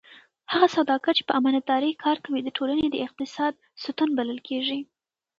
هغه سوداګر چې په امانتدارۍ کار کوي د ټولنې د اقتصاد ستون بلل کېږي.